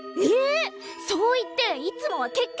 そう言っていつもは結局食べるのに！